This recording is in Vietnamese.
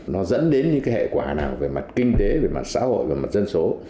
nó dẫn đến những cái hệ quả nào về mặt kinh tế về mặt xã hội về mặt dân số